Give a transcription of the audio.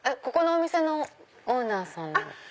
ここのお店のオーナーさん？